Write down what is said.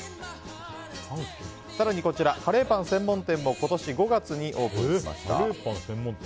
更にこちら、カレーパン専門店も今年５月にオープンしました。